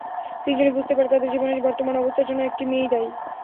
তিনজনই বুঝতে পারে তাদের জীবনের বর্তমান অবস্থার জন্য একটি মেয়েই দায়ী।